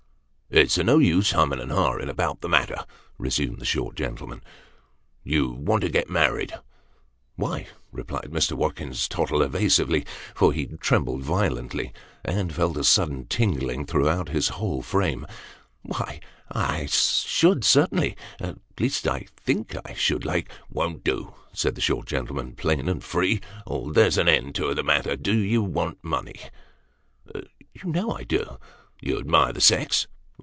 " It's of no use humming and ha'ing about the matter," resumed the short gentleman. " You want to get married ?"" Why," replied Mr. Watkins Tottle evasively ; for he trembled violently, and felt a sudden tingling throughout his whole frame; " why I should certainly at least, I think I should like "" Won't do," said the short gentleman. " Plain and free or there's an end of the matter. Do you want money ?" "You know I do." " You admire the sex